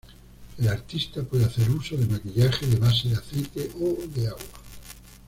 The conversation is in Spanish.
El artista puede hacer uso de maquillaje de base de aceite o de agua.